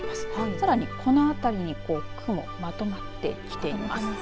さらにこの辺りに雲まとまってきています。